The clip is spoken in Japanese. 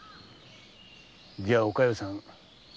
じゃあお加代さん